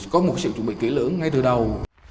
có một sự chuẩn bị kỹ lưỡng ngay từ đầu